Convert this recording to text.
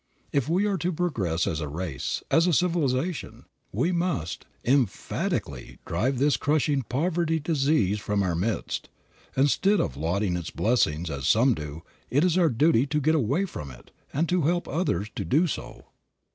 If we are to progress as a race, as a civilization, we must, emphatically, drive this crushing poverty disease from our midst. Instead of lauding its blessings, as some do, it is our duty to get away from it, and to help others to do so.